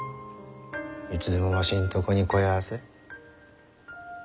いつでもわしんとこに来やせ。